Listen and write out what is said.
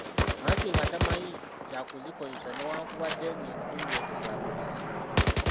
Anti nga tamanyi kya kuzikozesa newankubadde ng'ensimbi ezo za mugaso.